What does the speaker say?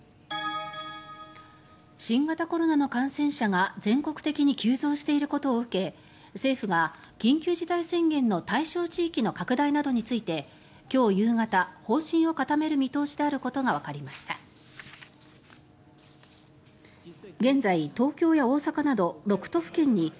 新型コロナの感染者が全国的に急増していることを受け政府が緊急事態宣言の対象地域の拡大などについて今日夕方、方針を固める見通しであることがわかりました。